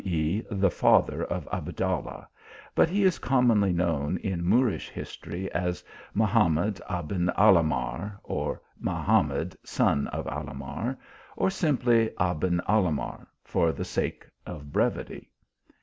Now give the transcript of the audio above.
e. the father of Abdallah,) but he is commonly known in Moorish history as Mahamad Aben Alah mar, (or Mahamad son of Alahmar,) or simply Aben Alahmar, for the sake of brevity.